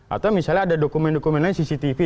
atau misalnya ada dokumen dokumen lain cctv dan sebagainya